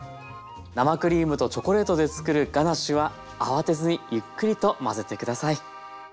生クリームとチョコレートでつくるガナッシュは慌てずにゆっくりと混ぜて下さい。